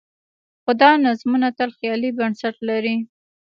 خو دا نظمونه تل خیالي بنسټ لري.